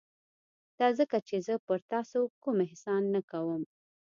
دا ځکه چې زه پر تاسو کوم احسان نه کوم.